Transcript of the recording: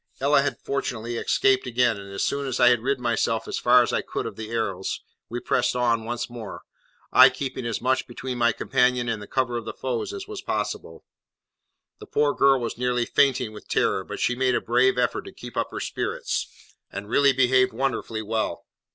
Ella had fortunately escaped again, and as soon as I had rid myself as far as I could of the arrows, we pressed on once more, I keeping as much between my companion and the cover of the foe as was possible. The poor girl was nearly fainting with terror, but she made a brave effort to keep up her spirits, and really behaved wonderfully well.